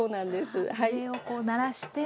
上をこうならして。